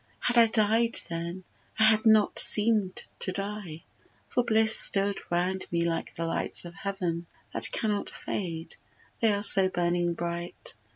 Had I died then, I had not seem'd to die For bliss stood round me like the lights of heaven, That cannot fade, they are so burning bright.